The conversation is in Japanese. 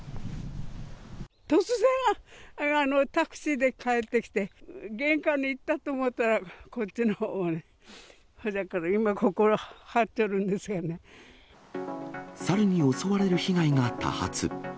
突然、タクシーで帰ってきて、玄関に行ったと思ったら、こっちのほうを、ほうじゃから、今、ここ、猿に襲われる被害が多発。